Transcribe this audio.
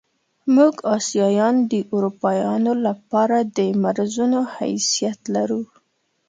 موږ اسیایان د اروپایانو له پاره د مرضونو حیثیت لرو.